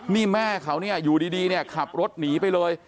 นี่แม่เขาอยู่ดีขับรถหนีไปเลย